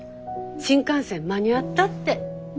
新幹線間に合ったって。